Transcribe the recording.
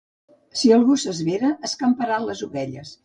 Si el gos s'esvera, escamparà les ovelles.